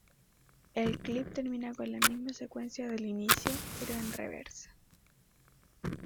El clip termina con la misma secuencia del inicio, pero en reversa.